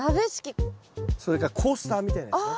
それかコースターみたいなやつね。